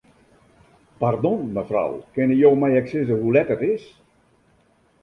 Pardon, mefrou, kinne jo my ek sizze hoe let it is?